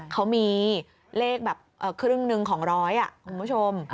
เขามีเลขแบบครึ่งหนึ่งของร้อยคุณผู้ชม